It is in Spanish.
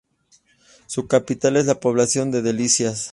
Su capital es la población de Delicias.